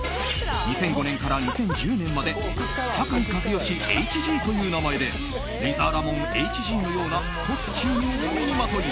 ２００５年から２０１０年まで酒井一圭ＨＧという名前でレイザーラモンＨＧのようなコスチュームを身にまとい